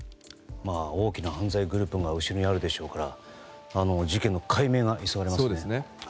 大きな犯罪グループが後ろにあるでしょうから事件の解明が急がれますね。